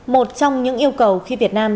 một trong những yêu cầu khi việt nam